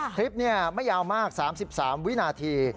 คลิปไม่ยาวมาก๓๓วินาที